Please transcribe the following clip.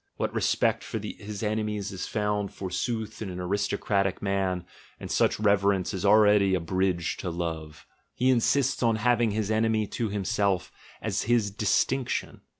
What re spect for his enemies is found, forsooth, in an aristocratic man — and such a reverence is already a bridge to love! He insists on having his enemy to himself as his distinc tion.